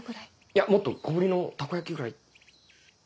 いやもっと小ぶりのタコ焼きぐらい。